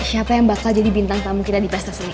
siapa yang bakal jadi bintang tamu kita di pesta seni